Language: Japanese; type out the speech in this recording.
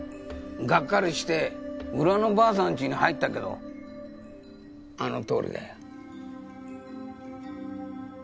がっかりして裏のばあさんちに入ったけどあのとおりだよ。